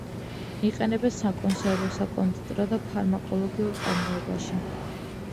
იყენებენ საკონსერვო, საკონდიტრო და ფარმაკოლოგიურ წარმოებაში.